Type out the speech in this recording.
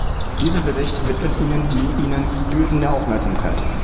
Dieser Bericht widmet ihnen die ihnen gebührende Aufmerksamkeit.